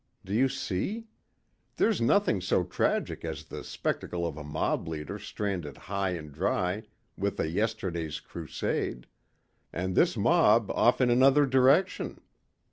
Do you see? There's nothing so tragic as the spectacle of a mob leader stranded high and dry with a yesterday's crusade. And his mob off in another direction.